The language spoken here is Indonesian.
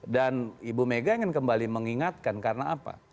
dan ibu mega ingin kembali mengingatkan karena apa